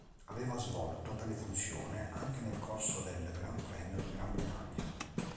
Aveva svolto tale funzione anche nel corso del Gran Premio di Gran Bretagna.